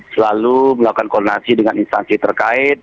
selalu melakukan koordinasi dengan instansi terkait